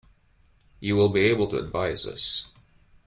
You will be able to advise us.